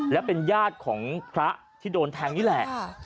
และเป็นญาติของพระที่โดนแทงนี่แหละ